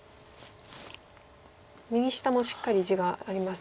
右下もしっかり地がありますよね。